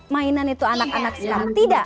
mainan itu anak anak sekarang tidak